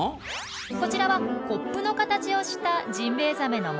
こちらはコップの形をしたジンベエザメの模型です。